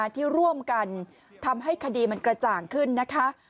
ที่ร่วมกันทำให้คดีมันกระจ่างขึ้นนะคะ